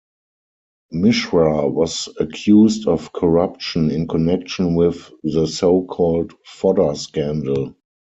Mishra was accused of corruption in connection with the so-called 'fodder scandal'.